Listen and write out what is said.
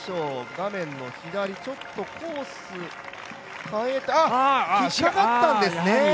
画面左、ちょっとコース変えてあっ、引っかかったんですね。